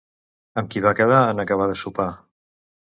Amb qui va quedar en acabar de sopar?